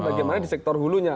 bagaimana di sektor hulunya